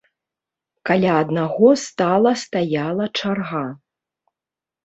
Каля аднаго стала стаяла чарга.